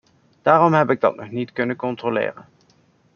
Daarom heb ik dat nog niet kunnen controleren.